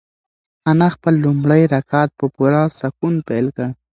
انا خپل لومړی رکعت په پوره سکون پیل کړ.